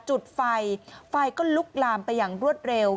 จุดไฟไฟก็ลุกลามไปอย่างรวดเร็ว